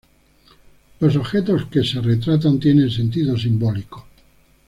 Los objetos que se retratan tienen sentido simbólico.